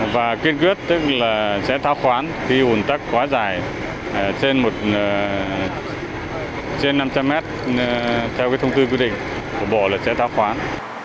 và kiên quyết tức là sẽ thao khoán khi hồn tắc quá dài trên năm trăm linh m theo thông tư quy định của bộ là sẽ thao khoán